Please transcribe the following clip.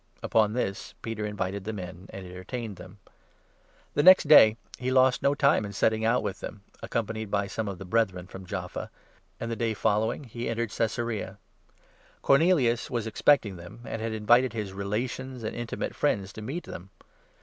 Upon this Peter invited them in and entertained them. 23 The next day he lost no time in setting out with them, accompanied by some of the Brethren from Jaffa ; and the 24 day following he entered Caesarea. Cornelius was expecting them, and had invited his relations and intimate friends to meet them.